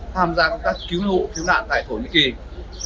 tham gia công tác cứu hộ cứu nạn tại thổ nhĩ kỳ